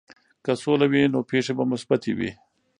که سوله وي، نو پېښې به مثبتې وي.